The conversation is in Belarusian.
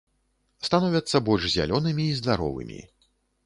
Становяцца больш зялёнымі і здаровымі.